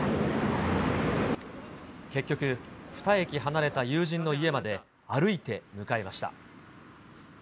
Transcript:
結局、２駅離れた友人の家まで歩いて向かいました。